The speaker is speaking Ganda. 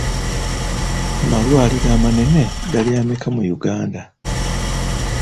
Malwaliro amanene gali ameka mu Uganda?